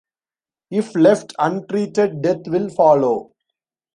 If left untreated death will follow.